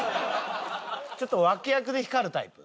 ちょっと脇役で光るタイプ？